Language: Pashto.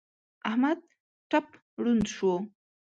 احمد ټپ ړوند شو.